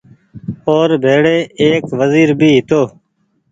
اور ڀيري ايڪ وزير بهي هيتو